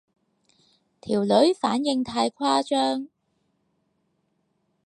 條女反應太誇張